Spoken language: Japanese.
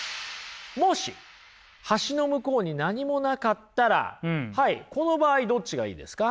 もし橋の向こうに何もなかったらはいこの場合どっちがいいですか？